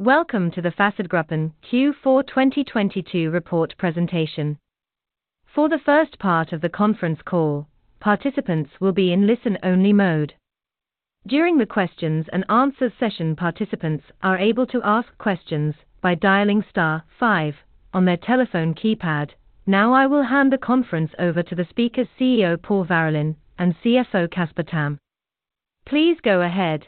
Welcome to the Fasadgruppen Q4 2022 report presentation. For the first part of the conference call, participants will be in listen-only mode. During the questions and answers session, participants are able to ask questions by dialing star five on their telephone keypad. Now I will hand the conference over to the speakers CEO, Pål Warolin, and CFO, Casper Tamm. Please go ahead.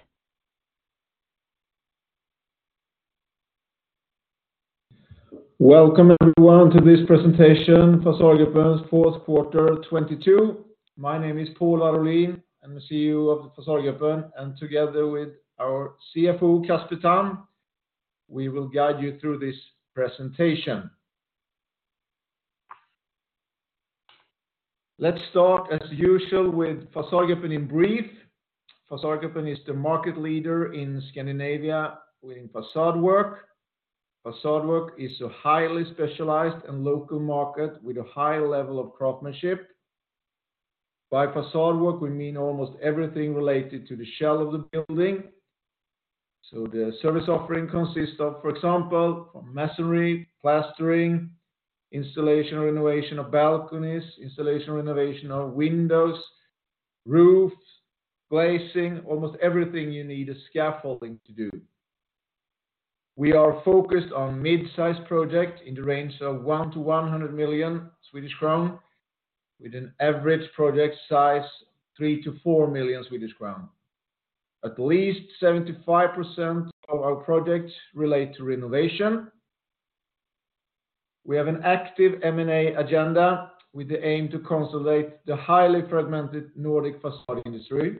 Welcome everyone to this presentation, Fasadgruppen's fourth quarter 2022. My name is Pål Warolin. I'm the CEO of the Fasadgruppen, and together with our CFO, Casper Tamm, we will guide you through this presentation. Let's start as usual with Fasadgruppen in brief. Fasadgruppen is the market leader in Scandinavia within facade work. Facade work is a highly specialized and local market with a high level of craftsmanship. By facade work, we mean almost everything related to the shell of the building. The service offering consists of, for example, masonry, plastering, installation or renovation of balconies, installation or renovation of windows, roofs, glazing, almost everything you need a scaffolding to do. We are focused on mid-size projects in the range of 1 million SEK-100 million SEK, with an average project size 3 million SEK-SEK 4 million Swedish crown. At least 75% of our projects relate to renovation. We have an active M&A agenda with the aim to consolidate the highly fragmented Nordic facade industry.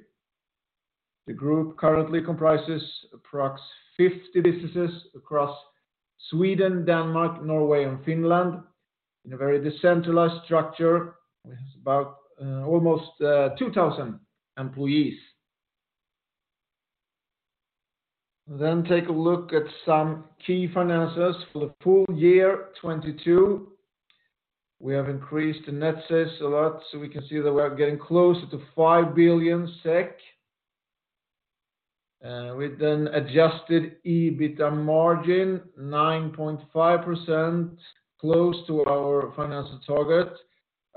The group currently comprises approx 50 businesses across Sweden, Denmark, Norway, and Finland in a very decentralized structure, with about, almost, 2,000 employees. Take a look at some key finances for the full year 2022. We have increased the net sales a lot, so we can see that we are getting closer to 5 billion SEK. With an adjusted EBITDA margin, 9.5%, close to our financial target.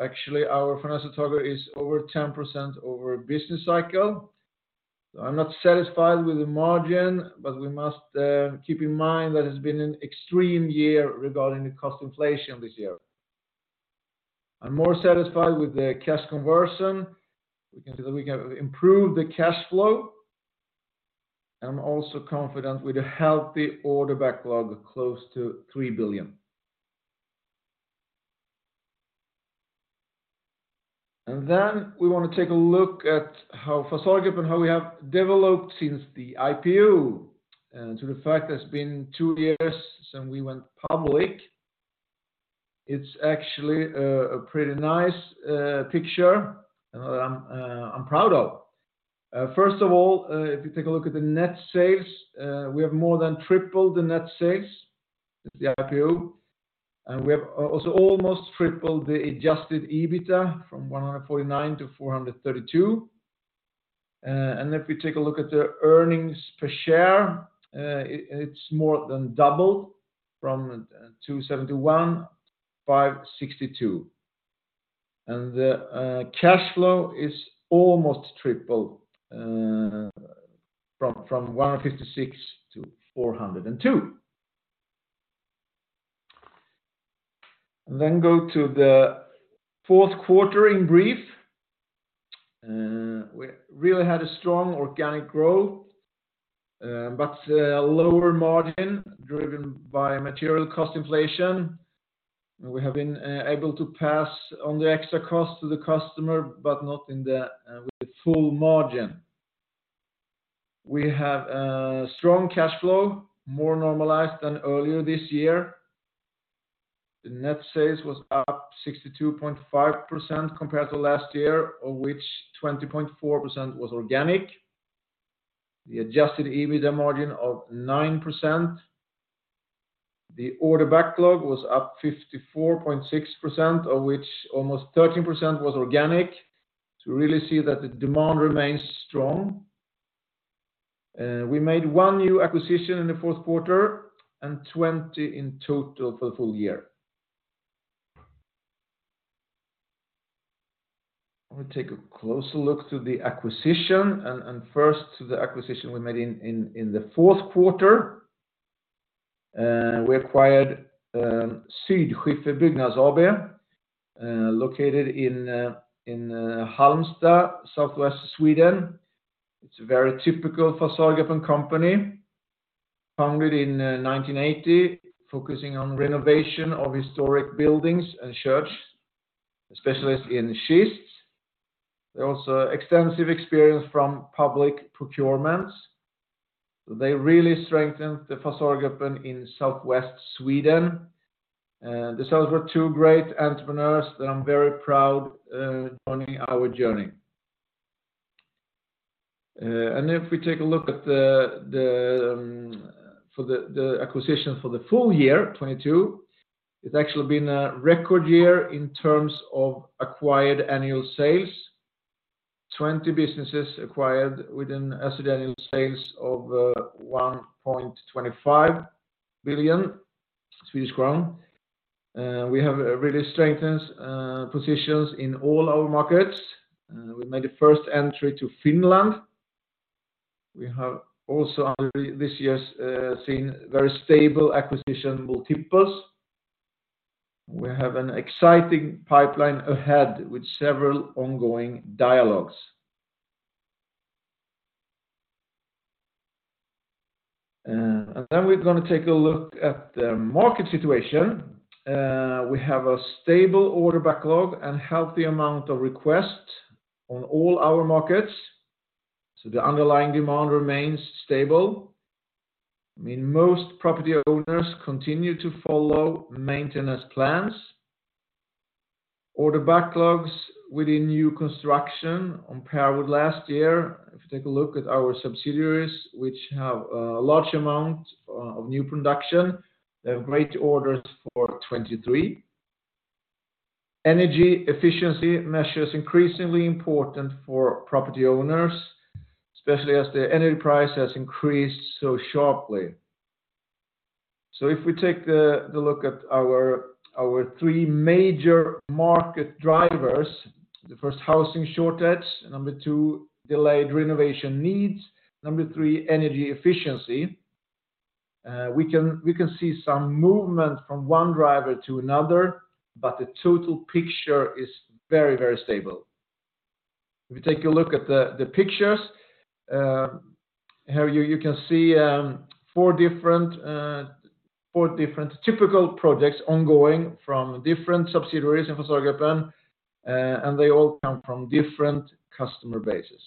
Actually, our financial target is over 10% over a business cycle. I'm not satisfied with the margin, but we must keep in mind that it's been an extreme year regarding the cost inflation this year. I'm more satisfied with the cash conversion. We can see that we have improved the cash flow. I'm also confident with a healthy order backlog close to 3 billion SEK. We wanna take a look at how Fasadgruppen, how we have developed since the IPO. The fact it's been two years since we went public, it's actually a pretty nice picture that I'm proud of. First of all, if you take a look at the net sales, we have more than tripled the net sales since the IPO, and we have also almost tripled the adjusted EBITDA from 149 SEK to 432SEK. If we take a look at the earnings per share, it's more than doubled from 2.71 SEK 5.62 SEK. The cash flow is almost triple from 156 SEK to 402SEK. Go to the fourth quarter in brief. We really had a strong organic growth, but a lower margin driven by material cost inflation. We have been able to pass on the extra cost to the customer, but not in the with full margin. We have a strong cash flow, more normalized than earlier this year. The net sales was up 62.5% compared to last year, of which 20.4% was organic. The adjusted EBITDA margin of 9%. The order backlog was up 54.6%, of which almost 13% was organic, to really see that the demand remains strong. We made 1 new acquisition in the fourth quarter and 20 in total for the full year. I wanna take a closer look to the acquisition, first to the acquisition we made in the fourth quarter. We acquired Sydskiffer Byggnads AB, located in Halmstad, southwest Sweden. It's a very typical Fasadgruppen company, founded in 1980, focusing on renovation of historic buildings and church, specialist in schists. There's also extensive experience from public procurements. They really strengthened the Fasadgruppen in southwest Sweden. The sellers were two great entrepreneurs that I'm very proud joining our journey. If we take a look at the acquisition for the full year, 2022, it's actually been a record year in terms of acquired annual sales. 20 businesses acquired within a sequential sales of 1.25 billion Swedish crown. We have really strengthened positions in all our markets. We made the first entry to Finland. We have also, this year, seen very stable acquisition multiples. We have an exciting pipeline ahead with several ongoing dialogues. We're gonna take a look at the market situation. We have a stable order backlog and healthy amount of requests on all our markets, so the underlying demand remains stable. I mean, most property owners continue to follow maintenance plans. Order backlogs within new construction on par with last year. If you take a look at our subsidiaries, which have a large amount of new production, they have great orders for 23. Energy efficiency measures increasingly important for property owners, especially as the energy price has increased so sharply. If we take the look at our 3 major market drivers, the first, housing shortage, number 2, delayed renovation needs, number 3, energy efficiency, we can, we can see some movement from one driver to another, but the total picture is very, very stable. If you take a look at the pictures, here you can see, 4 different, 4 different typical projects ongoing from different subsidiaries in Fasadgruppen, and they all come from different customer bases.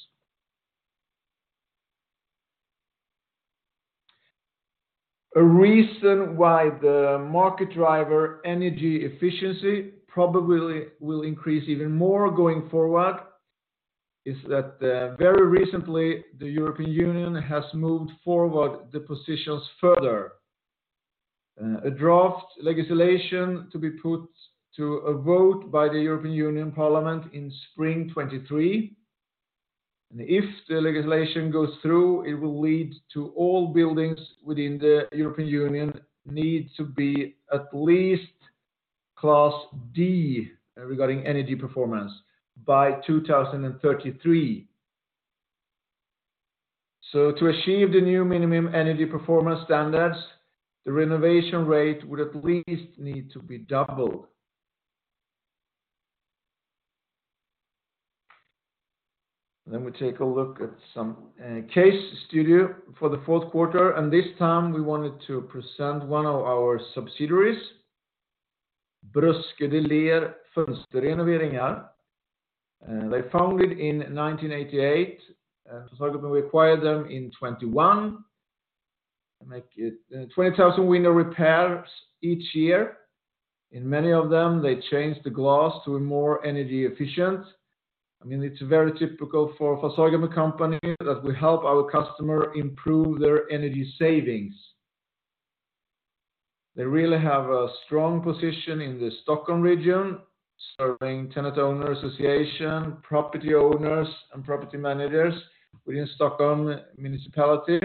A reason why the market driver energy efficiency probably will increase even more going forward is that, very recently, the European Union has moved forward the positions further. A draft legislation to be put to a vote by the European Union Parliament in spring 23. If the legislation goes through, it will lead to all buildings within the European Union need to be at least class D regarding energy performance by 2033. To achieve the new minimum energy performance standards, the renovation rate would at least need to be doubled. We take a look at some case study for the fourth quarter, and this time we wanted to present one of our subsidiaries, Bruske & Dellér Fönsterrenovering. They founded in 1988, Fasadgruppen acquired them in 2021. They make it 20,000 window repairs each year. In many of them, they change the glass to a more energy efficient. I mean, it's very typical for a Fasadgruppen company that we help our customer improve their energy savings. They really have a strong position in the Stockholm region, serving tenant owner association, property owners, and property managers within Stockholm municipality.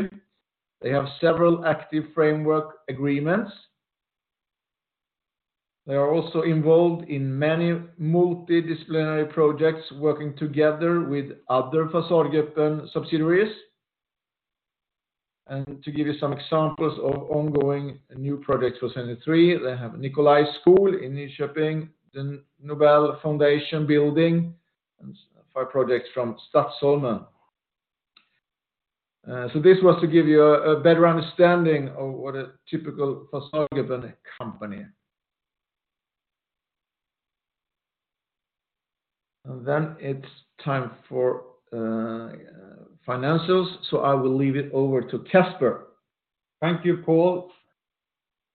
They have several active framework agreements. They are also involved in many multidisciplinary projects working together with other Fasadgruppen subsidiaries. To give you some examples of ongoing new projects for 23, they have Nicolaiskolan in Nyköping, the Nobel Foundation building, and 5 projects from Stadsholmen. This was to give you a better understanding of what a typical Fasadgruppen company. It's time for financials. I will leave it over to Casper. Thank you, Pål .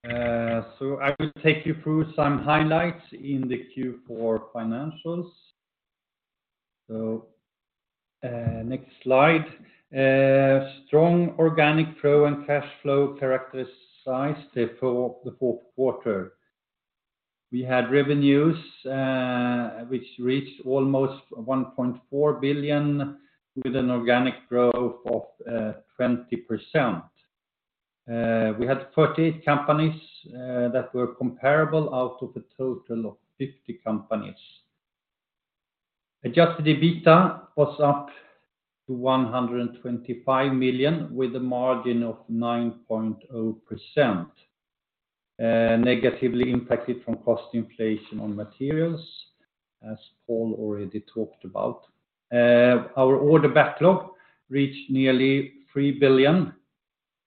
I will take you through some highlights in the Q4 financials. Next slide. Strong organic pro and cash flow characterized it for the fourth quarter. We had revenues, which reached almost 1.4 billion SEK with an organic growth of 20%. We had 40 companies that were comparable out of a total of 50 companies. Adjusted EBITDA was up to 125 million SEK with a margin of 9.0%, negatively impacted from cost inflation on materials, as Pål already talked about. Our order backlog reached nearly 3 billion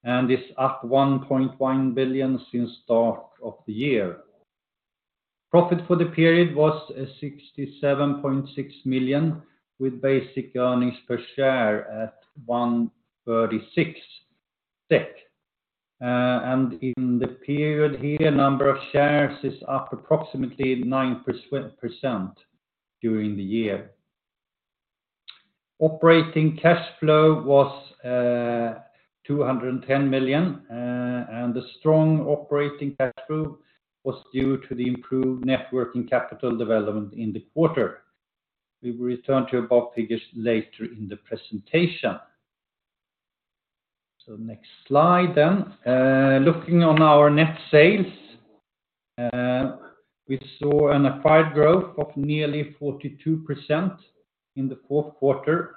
SEK and is up 1.1 billion SEK since start of the year. Profit for the period was 67.6 million SEK, with basic earnings per share at 1.36 SEK. In the period here, number of shares is up approximately 9% during the year. Operating cash flow was 210 million SEK. The strong operating cash flow was due to the improved net working capital development in the quarter. We will return to above figures later in the presentation. Next slide then. Looking on our net sales, we saw an acquired growth of nearly 42% in the fourth quarter.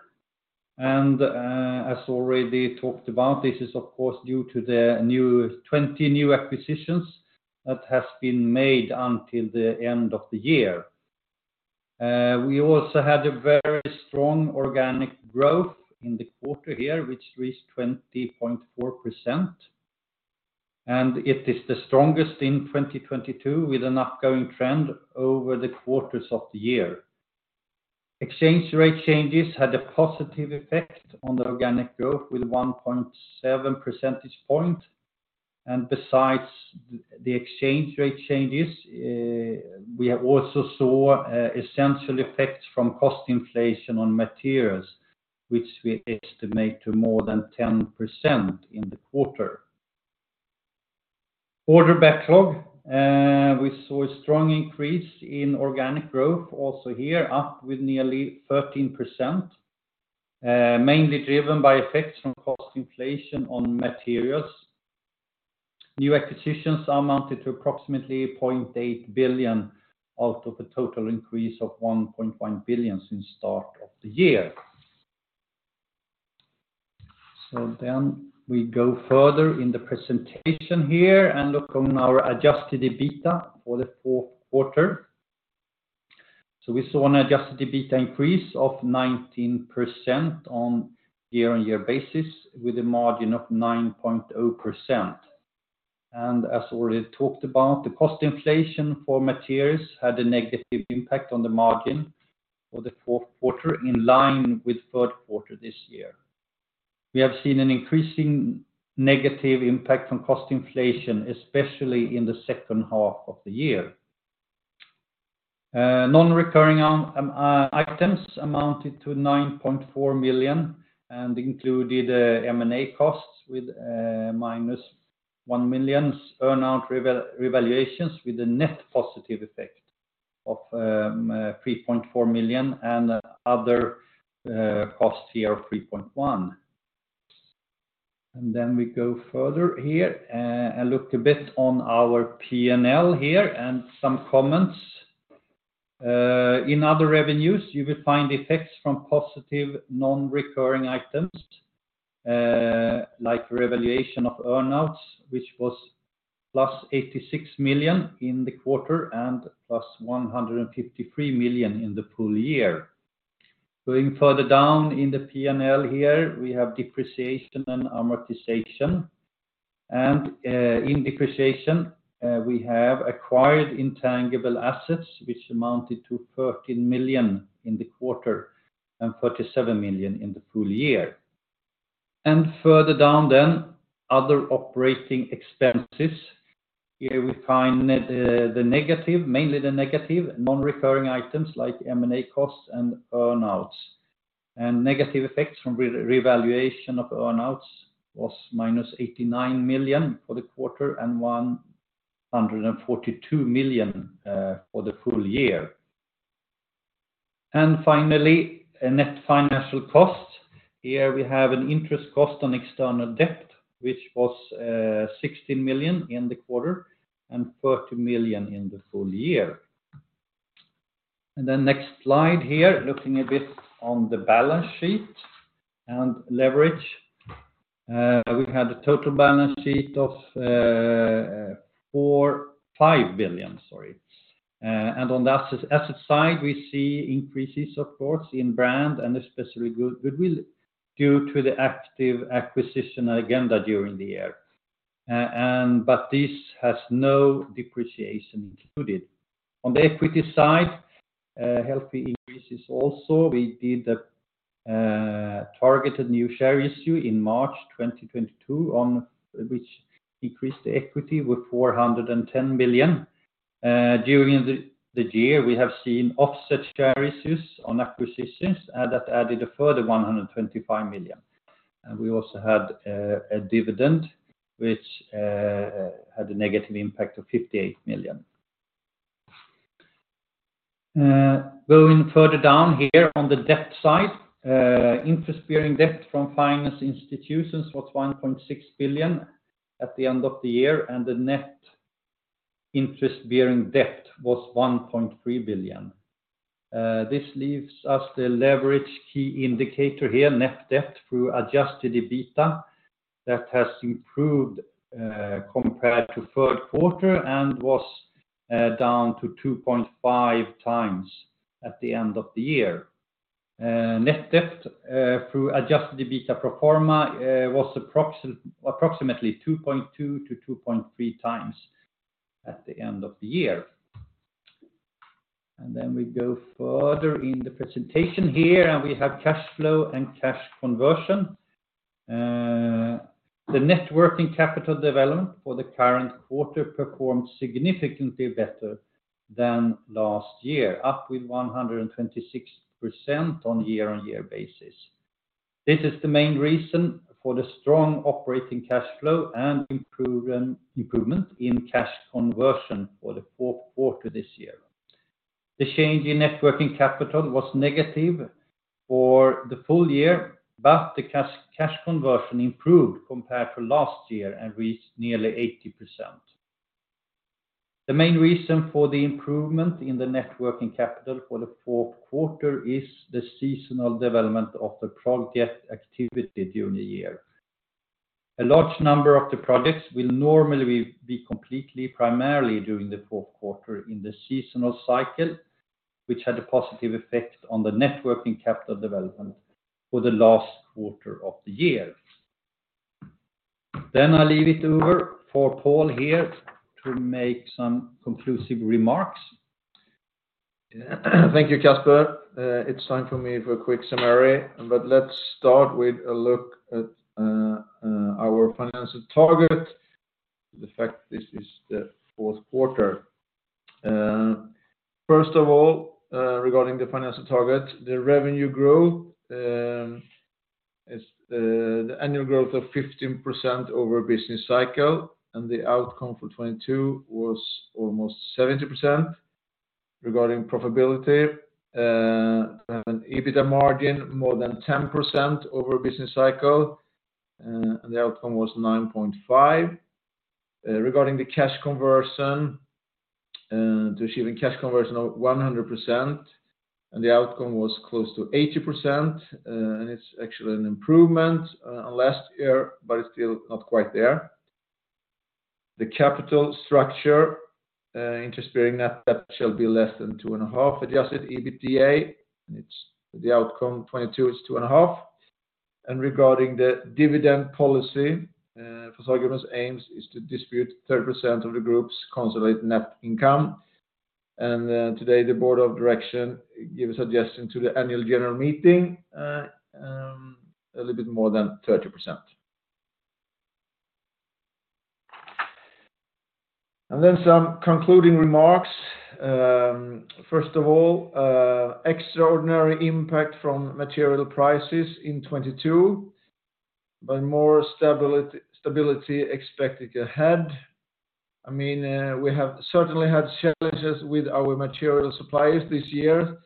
As already talked about, this is of course due to the 20 new acquisitions that has been made until the end of the year. We also had a very strong organic growth in the quarter here, which reached 20.4%, and it is the strongest in 2022 with an upcoming trend over the quarters of the year. Exchange rate changes had a positive effect on the organic growth with 1.7 percentage point. Besides the exchange rate changes, we have also saw essential effects from cost inflation on materials, which we estimate to more than 10% in the quarter. Order backlog, we saw a strong increase in organic growth also here, up with nearly 13%, mainly driven by effects from cost inflation on materials. New acquisitions amounted to approximately 0.8 billion SEK out of a total increase of 1.1 billion SEK since start of the year. We go further in the presentation here and look on our adjusted EBITDA for the fourth quarter. We saw an adjusted EBITDA increase of 19% on year-on-year basis with a margin of 9.0%. As already talked about, the cost inflation for materials had a negative impact on the margin for the fourth quarter in line with third quarter this year. We have seen an increasing negative impact from cost inflation, especially in the second half of the year. Non-recurring on items amounted to 9.4 million SEK and included M&A costs with -1 million SEK, earn out revaluations with a net positive effect of 3.4 million SEK and other costs here of 3.1 million SEK. Then we go further here and look a bit on our P&L here and some comments. In other revenues, you will find effects from positive non-recurring items, like revaluation of earn outs, which was +86 million in the quarter and +153 million in the full year. Going further down in the P&L here, we have depreciation and amortization. In depreciation, we have acquired intangible assets which amounted to 13 million SEK in the quarter and 37 million SEK in the full year. Further down, other operating expenses. Here we find the negative, mainly the negative non-recurring items like M&A costs and earn outs. Negative effects from revaluation of earn outs was minus 89 million SEK for the quarter and 142 million for the full year. Finally, a net financial cost. Here we have an interest cost on external debt, which was 16 million SEK in the quarter and 30 million SEK in the full year. Next slide here, looking a bit on the balance sheet and leverage. We had a total balance sheet of billion, sorry. On the asset side, we see increases, of course, in brand and especially good due to the active acquisition agenda during the year. But this has no depreciation included. On the equity side, healthy increases also, we did a targeted new share issue in March 2022 which increased the equity with 410 million SEK. During the year, we have seen offset share issues on acquisitions that added a further 125 million SEK. We also had a dividend which had a negative impact of 58 million SEK. Though in total down, we are on the debt side. We are in debt for for financing instutions for 1.6 millon SEK at the end of the year and the next interest debt 1.58 million SEK This leaves us the leverage key indicator here, net debt through adjusted EBITDA. That has improved compared to third quarter and was down to 2.5 times at the end of the year. Net debt through adjusted EBITDA pro forma was approximately 2.2-2.3 times at the end of the year. We go further in the presentation here, and we have cash flow and cash conversion. The net working capital development for the current quarter performed significantly better than last year, up with 126% on year-on-year basis. This is the main reason for the strong operating cash flow and improvement in cash conversion for the fourth quarter this year. The change in net working capital was negative for the full year, the cash conversion improved compared to last year and reached nearly 80%. The main reason for the improvement in the net working capital for the fourth quarter is the seasonal development of the project activity during the year. A large number of the projects will normally be completed primarily during the fourth quarter in the seasonal cycle, which had a positive effect on the net working capital development for the last quarter of the year. I leave it over for Pål here to make some conclusive remarks. Thank you, Casper. It's time for me for a quick summary, but let's start with a look at our financial target. The fact this is the fourth quarter. First of all, regarding the financial target, the revenue growth, is the annual growth of 15% over business cycle, and the outcome for 2022 was almost 70%. Regarding profitability, to have an EBITA margin more than 10% over a business cycle, and the outcome was 9.5%. Regarding the cash conversion, to achieving cash conversion of 100%, and the outcome was close to 80%. It's actually an improvement on last year, but it's still not quite there. The capital structure, interest-bearing net debt shall be less than 2.5x adjusted EBITDA. It's the outcome of 2022 is 2.5x. Regarding the dividend policy, Fasadgruppen's aims is to distribute 30% of the group's consolidated net income. Today, the board of direction give a suggestion to the annual general meeting, a little bit more than 30%. Some concluding remarks. First of all, extraordinary impact from material prices in 2022, but more stability expected ahead. I mean, we have certainly had challenges with our material suppliers this year.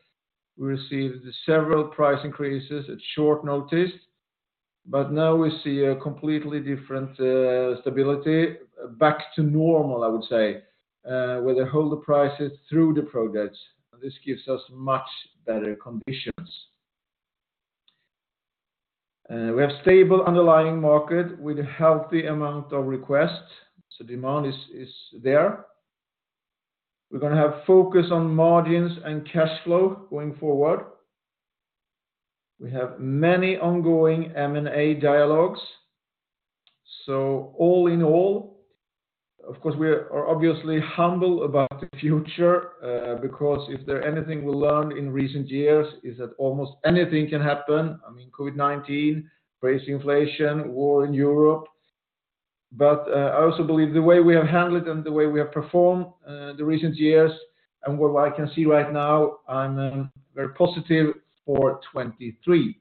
We received several price increases at short notice, but now we see a completely different stability back to normal, I would say, where they hold the prices through the projects, and this gives us much better conditions. We have stable underlying market with a healthy amount of requests, so demand is there. We're gonna have focus on margins and cash flow going forward. We have many ongoing M&A dialogues. All in all, of course, we are obviously humble about the future, because if there anything we learned in recent years is that almost anything can happen. I mean, COVID-19, price inflation, war in Europe. I also believe the way we have handled and the way we have performed the recent years and what I can see right now, I'm very positive for 2023.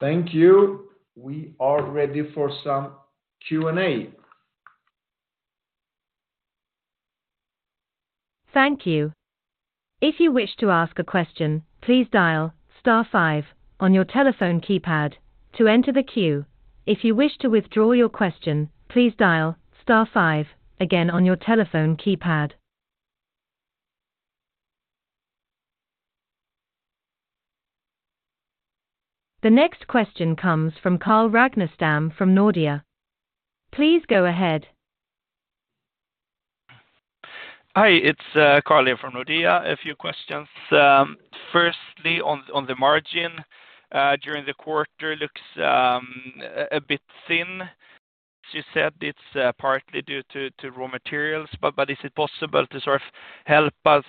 Thank you. We are ready for some Q&A. Thank you. If you wish to ask a question, please dial star five on your telephone keypad to enter the queue. If you wish to withdraw your question, please dial star five again on your telephone keypad. The next question comes from Carl Ragnerstam from Nordea. Please go ahead. Hi, it's Carl here from Nordea. A few questions. Firstly, on the margin during the quarter looks a bit thin. As you said, it's partly due to raw materials, but is it possible to help us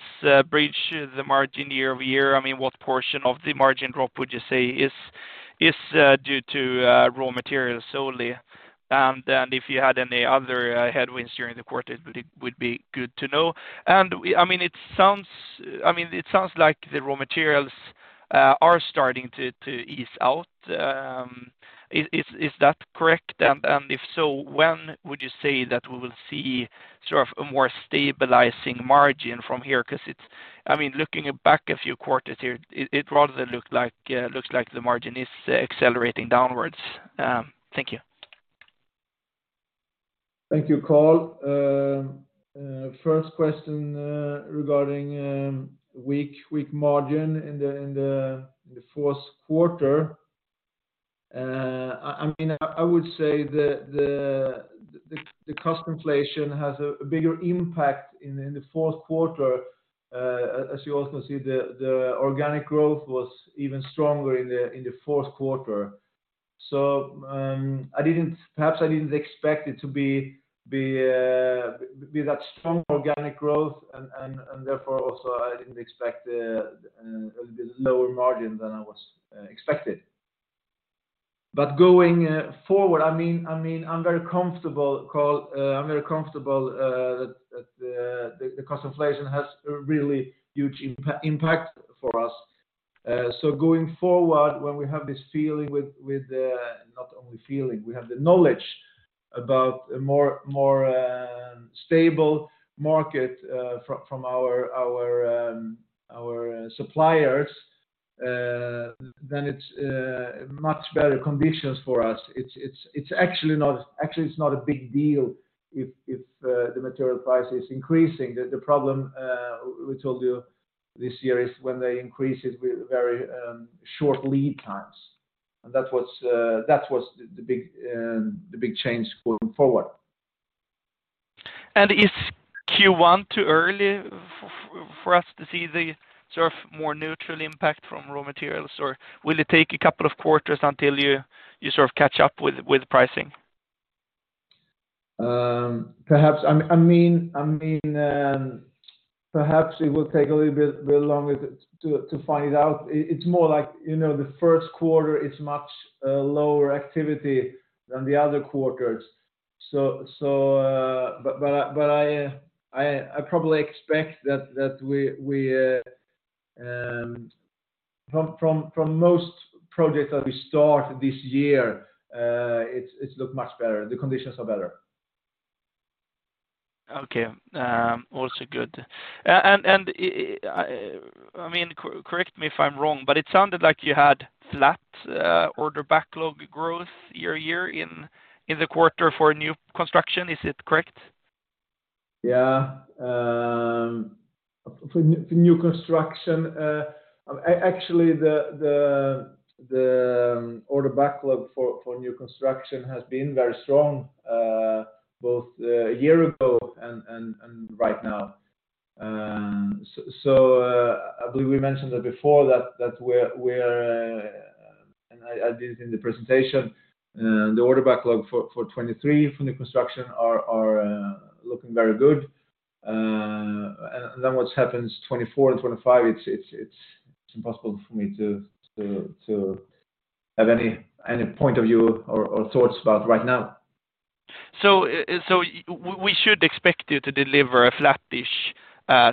bridge the margin year-over-year? I mean, what portion of the margin drop would you say is due to raw materials solely? If you had any other headwinds during the quarter, it would be good to know. I mean, it sounds like the raw materials are starting to ease out. Is that correct? If so, when would you say that we will see a more stabilizing margin from here? I mean, looking back a few quarters here, it rather looks like the margin is accelerating downwards. Thank you. Thank you, Carl. First question, regarding weak margin in the fourth quarter. I mean, I would say the cost inflation has a bigger impact in the fourth quarter. As you also see, the organic growth was even stronger in the fourth quarter. Perhaps I didn't expect it to be that strong organic growth, and therefore also I didn't expect a lower margin than I was expected. Going forward, I mean, I'm very comfortable that the cost inflation has a really huge impact for us. Going forward, when we have this feeling with not only feeling, we have the knowledge about a more stable market from our suppliers, then it's much better conditions for us. It's actually not a big deal if the material price is increasing. The problem we told you this year is when they increase it with very short lead times. That was the big change going forward. Is Q1 too early for us to see the more neutral impact from raw materials, or will it take a couple of quarters until you catch up with pricing? Perhaps. I mean, perhaps it will take a little bit longer to find out. It's more like, you know, the first quarter is much lower activity than the other quarters. But I probably expect that we from most projects that we start this year, it look much better. The conditions are better. Okay. Also good. I mean, correct me if I'm wrong, but it sounded like you had flat order backlog growth year to year in the quarter for new construction. Is it correct? Yeah. For new construction, actually, the order backlog for new construction has been very strong, both a year ago and right now. I believe we mentioned that before that we're... I did it in the presentation. The order backlog for 2023 from new construction are looking very good. What happens 2024 and 2025, it's impossible for me to have any point of view or thoughts about right now. We should expect you to deliver a flattish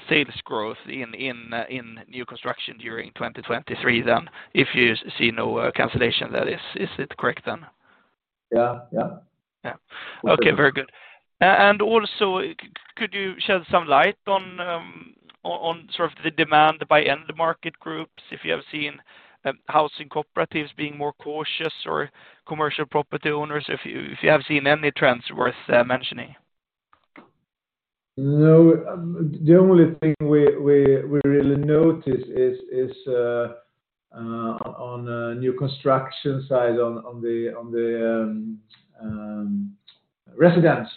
sales growth in new construction during 2023 then, if you see no cancellation, that is. Is it correct then? Yeah. Yeah. Yeah. Okay. Okay, very good. Could you shed some light on the demand by end market groups, if you have seen housing cooperatives being more cautious or commercial property owners, if you have seen any trends worth mentioning? No. The only thing we really notice is on new construction side, on the residence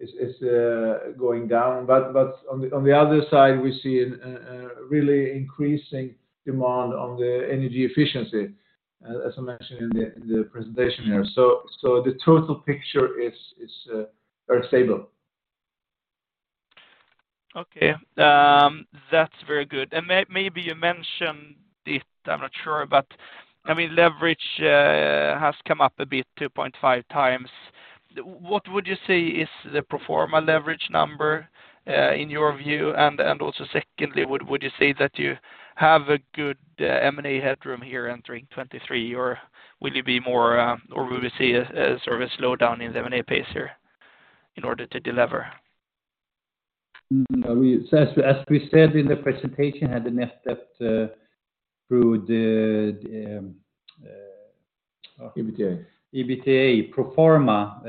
is going down. On the other side, we see an really increasing demand on the energy efficiency, as I mentioned in the presentation here. The total picture is very stable. Okay. That's very good. Maybe you mentioned it, I'm not sure, but I mean, leverage has come up a bit, 2.5 times. What would you say is the pro forma leverage number in your view? Also secondly, would you say that you have a good M&A headroom here entering 2023, or will you be more, or will we see a slowdown in the M&A pace here in order to delever? No. As we said in the presentation, had a net debt through the. EBITA. EBITA pro forma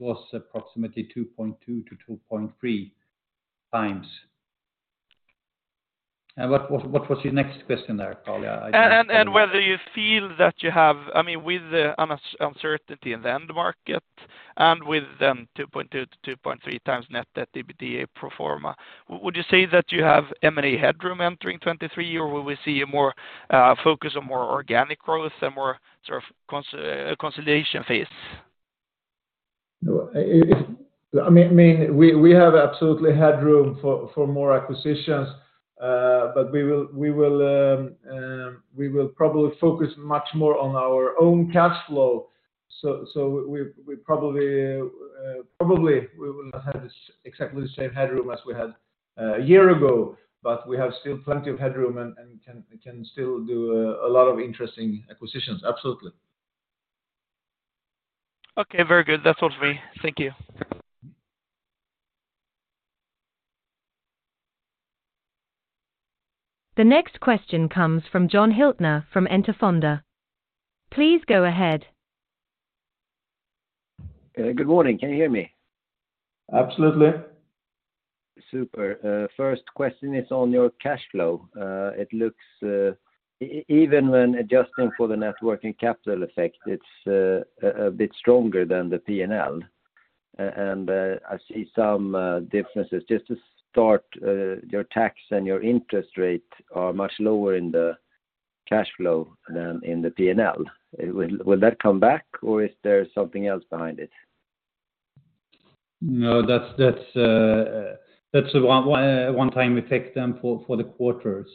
was approximately 2.2-2.3 times. What was your next question there, Carl? I didn't. Whether you feel that you have... I mean, with the uncertainty in the end market and with the 2.2-2.3x net debt EBITA pro forma, would you say that you have M&A headroom entering 2023, or will we see a more focus on more organic growth and more consolidation phase? No. I mean, we have absolutely headroom for more acquisitions, but we will probably focus much more on our own cash flow. We probably will not have this exactly the same headroom as we had a year ago, but we have still plenty of headroom and can still do a lot of interesting acquisitions. Absolutely. Okay. Very good. That's all from me. Thank you. The next question comes from Jon Hyltner from Enter Fonder. Please go ahead. Good morning. Can you hear me? Absolutely. Super. First question is on your cash flow. It looks, even when adjusting for the net working capital effect, it's a bit stronger than the P&L. I see some differences. Just to start, your tax and your interest rate are much lower in the cash flow than in the P&L. Will that come back, or is there something else behind it? No, that's one time effect then for the quarter.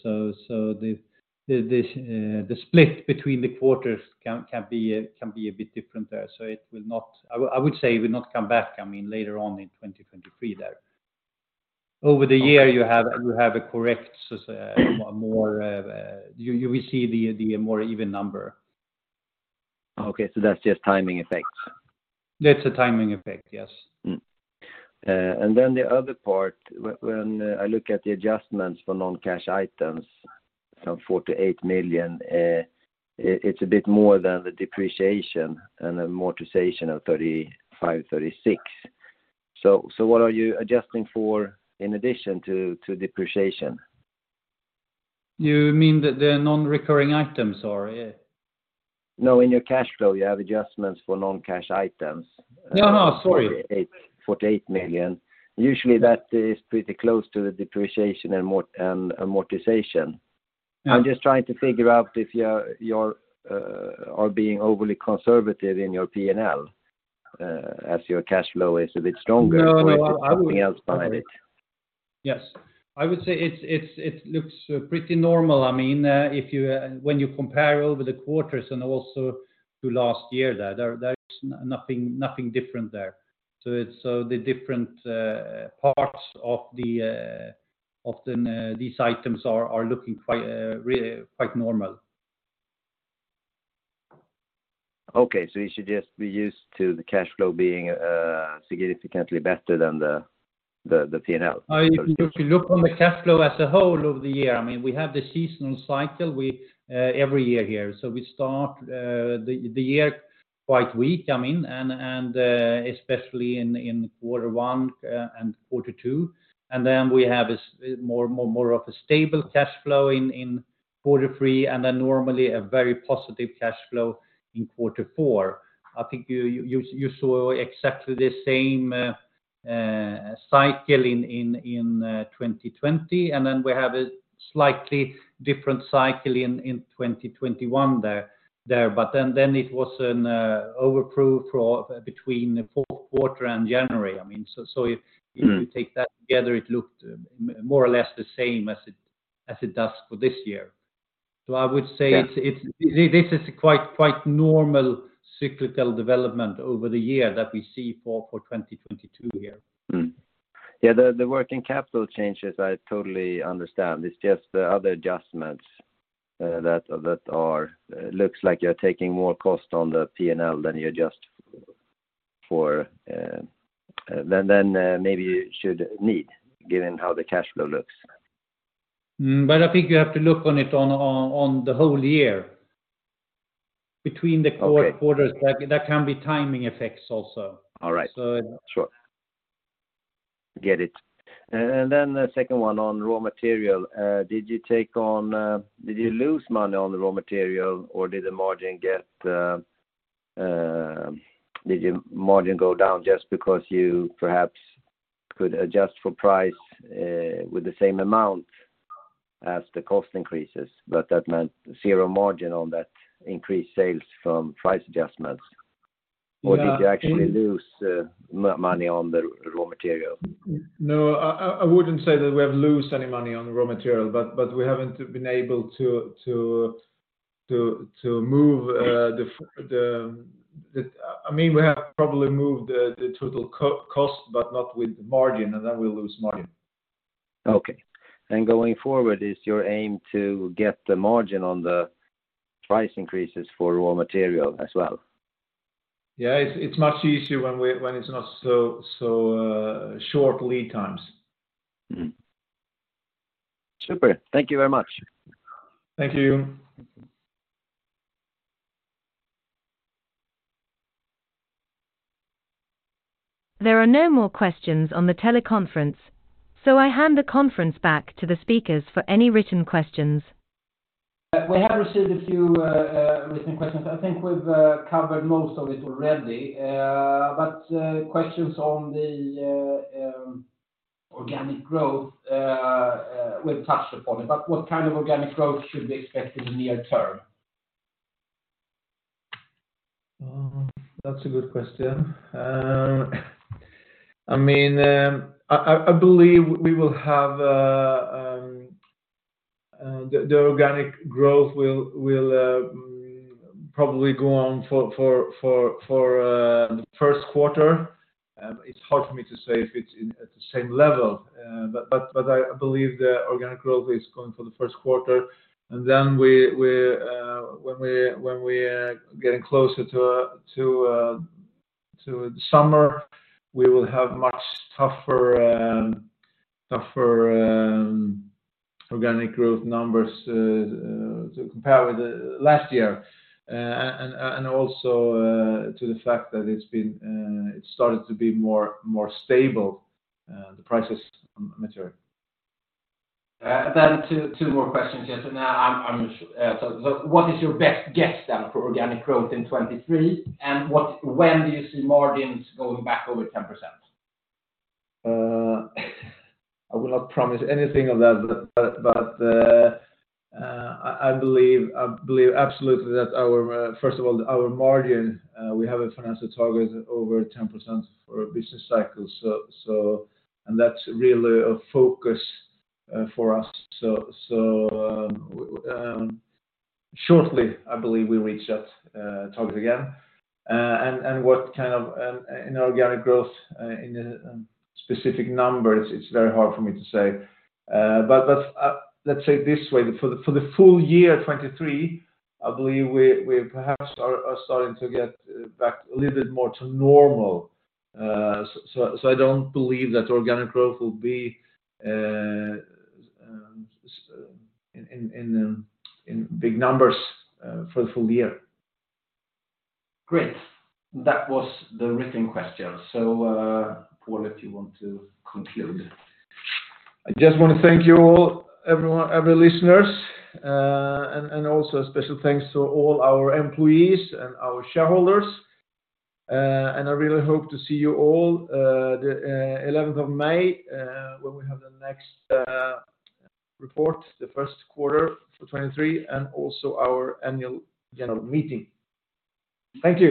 The split between the quarters can be a bit different there. It will not. I would say it will not come back, I mean, later on in 2023 there. Over the year you have a correct, so more. You will see the more even number. Okay. That's just timing effects? That's a timing effect, yes. The other part, when I look at the adjustments for non-cash items from 48 million, it's a bit more than the depreciation and amortization of 35 million-36 million. What are you adjusting for in addition to depreciation? You mean the non-recurring items, or? Yeah. No. In your cash flow, you have adjustments for non-cash items. sorry. 48 million. Usually that is pretty close to the depreciation and amortization. Yeah. I'm just trying to figure out if you're being overly conservative in your P&L as your cash flow is a bit stronger. No, no. ...or if there's something else behind it. Yes. I would say it's, it looks pretty normal. I mean, when you compare over the quarters and also to last year, there's nothing different there. it's. The different parts of the these items are looking quite really quite normal. Okay. We should just be used to the cash flow being significantly better than the, the P&L? If you look on the cash flow as a whole of the year, I mean, we have the seasonal cycle we every year here. We start the year quite weak, I mean, and especially in quarter 1 and quarter 2, and then we have a more stable cash flow in quarter 3, and then normally a very positive cash flow in quarter 4. I think you, you saw exactly the same cycle in 2020, and then we have a slightly different cycle in 2021. Then it was an overprove for between the fourth quarter and January. I mean, if you take that together, it looked more or less the same as it, as it does for this year. I would say. Yeah. This is quite normal cyclical development over the year that we see for 2022 here. Yeah, the working capital changes, I totally understand. It's just the other adjustments, that are... Looks like you're taking more cost on the P&L than you adjust for, than maybe you should need, given how the cash flow looks. I think you have to look on it on the whole year. Between the four quarters. Okay. That can be timing effects also. All right. So- Sure. Get it. Then the second one on raw material, did you lose money on the raw material, or did your margin go down just because you perhaps could adjust for price with the same amount as the cost increases, but that meant zero margin on that increased sales from price adjustments? Yeah. Did you actually lose, money on the raw material? No, I wouldn't say that we have lose any money on the raw material, but we haven't been able to move. I mean, we have probably moved the total cost but not with the margin. We lose margin. Okay. Going forward, is your aim to get the margin on the price increases for raw material as well? Yeah. It's much easier when it's not so short lead times. Mm-hmm. Super. Thank you very much. Thank you. There are no more questions on the teleconference, so I hand the conference back to the speakers for any written questions. We have received a few written questions. I think we've covered most of it already. Questions on the organic growth, we've touched upon it, but what organic growth should be expected in the near term? That's a good question. I mean, I believe we will have the organic growth will probably go on for the first quarter. It's hard for me to say if it's at the same level, but I believe the organic growth is going for the first quarter. Then we, when we are getting closer to the summer, we will have much tougher organic growth numbers to compare with the last year. Also to the fact that it's started to be more stable, the prices material. Two more questions. What is your best guess then for organic growth in 2023? When do you see margins going back over 10%? I will not promise anything of that, but I believe absolutely that our, First of all, our margin, we have a financial target over 10% for a business cycle, so. That's really a focus for us. Shortly, I believe we'll reach that target again. What an organic growth in a specific numbers, it's very hard for me to say. Let's say this way. For the full year 2023, I believe we perhaps are starting to get back a little bit more to normal. I don't believe that organic growth will be in big numbers for the full year. Great. That was the written question. Pål, if you want to conclude. I just want to thank you all, everyone, every listeners, also a special thanks to all our employees and our shareholders. I really hope to see you all, the 11th of May, when we have the next report, the first quarter for 2023 and also our annual general meeting. Thank you.